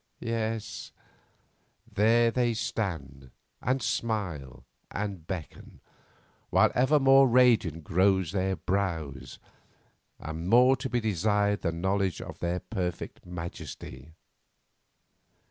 Yes, there they stand, and smile, and beckon, while ever more radiant grow their brows, and more to be desired the knowledge of their perfect majesty.